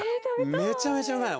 めちゃめちゃうまいの！